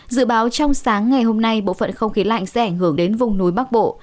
dự báo trong sáng ngày hôm nay bộ phận không khí lạnh sẽ ảnh hưởng đến vùng núi bắc bộ